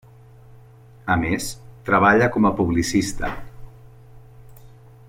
A més, treballa com a publicista.